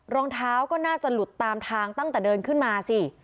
รองเท้าก็น่าจะหลุดตามทางตั้งแต่เดินขึ้นมาสิ